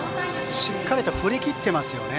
しっかりと振りきっていますね。